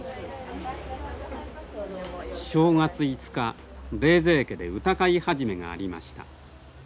正月５日冷泉家で歌会始がありました。